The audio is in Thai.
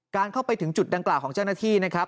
เข้าไปถึงจุดดังกล่าวของเจ้าหน้าที่นะครับ